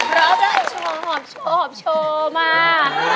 พร้อมแล้วหอบโชว์หอบโชว์มา